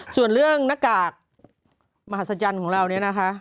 ส่วนเรื่องหน้ากากมหัศจรรย์ของเราเนี่ยนะคะ